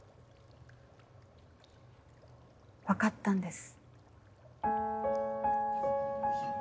分かったんです。